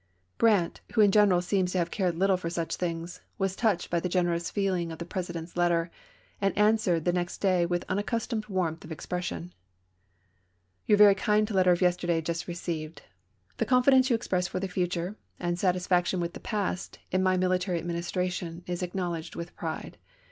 ise^. ms. G rant, who in general seems to have cared little for such things, was touched by the generous feel ing of the President's letter, and answered the next day with unaccustomed warmth of expression :" Yom very kind letter of yesterday is just re ceived. The confidence you express for the future and satisfaction with the past in my military admin istration is acknowledged with pride.